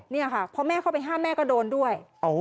นี่ค่ะพอแม่เข้าไปห้ามแม่ก็โดนด้วย